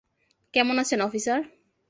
কেমন আছেন, অফিসার?